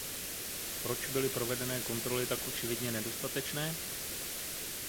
Proč byly provedené kontroly tak očividně nedostatečné?